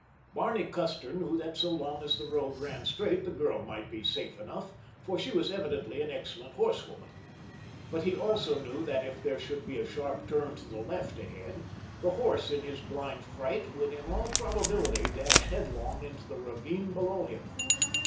Barney Custer knew that so long as the road ran straight the girl might be safe enough, for she was evidently an excellent horsewoman; but he also knew that if there should be a sharp turn to the left ahead, the horse in his blind fright would in all probability dash headlong into the ravine below him.